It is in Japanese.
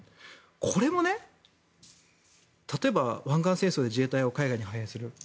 これも例えば湾岸戦争で自衛隊を海外に派兵する。